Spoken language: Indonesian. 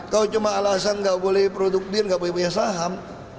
kau cuma alasan gak boleh produk bir gak boleh punya saham